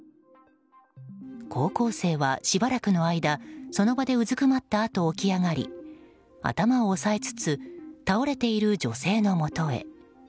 高校生は、しばらくの間その場でうずくまったあと起き上がり頭を押さえつつ倒れている女性のもとへ。